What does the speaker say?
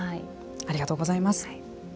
ありがとうございます。